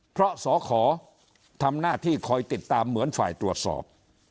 เพราะสขทำหน้าที่คอยติดตามเหมือนฝ่ายตรวจสอบ